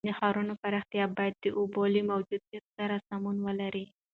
د ښارونو پراختیا باید د اوبو له موجودیت سره سمون ولري.